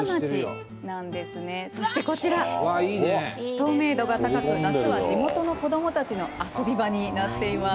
透明度が高く夏は地元の子どもたちの遊び場になっています。